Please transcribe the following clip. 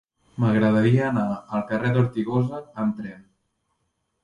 M'agradaria anar al carrer d'Ortigosa amb tren.